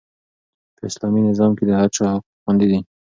په اسلامي نظام کې د هر چا حقوق خوندي دي.